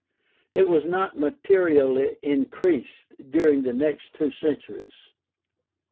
It was not materially increased during the next two centuries.